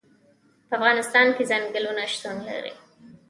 په افغانستان کې ځنګلونه شتون لري.